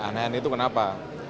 aneh aneh itu kenapa